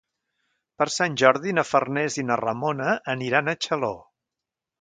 Per Sant Jordi na Farners i na Ramona aniran a Xaló.